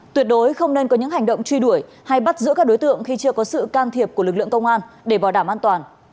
tuyệt đối không nên có những hành động truy đuổi hay bắt giữ các đối tượng khi chưa có sự can thiệp của lực lượng công an để bảo đảm an toàn